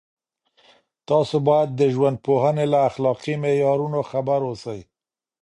تاسو باید د ژوندپوهنې له اخلاقي معیارونو خبر اوسئ.